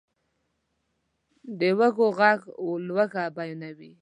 د وږو ږغ لوږه بیانوي.